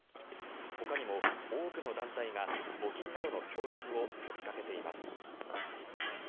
ほかにも多くの団体が募金などの協力を呼びかけています。